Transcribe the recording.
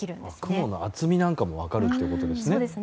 雲の厚みなんかも分かるってことですね。